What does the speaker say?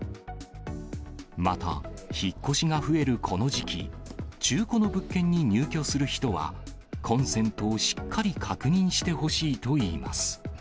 また、引っ越しが増えるこの時期、中古の物件に入居する人は、コンセントをしっかり確認してほしいといいます。